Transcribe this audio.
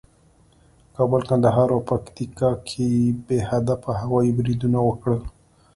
کابل، کندهار او پکتیکا کې بې هدفه هوایي بریدونه وکړل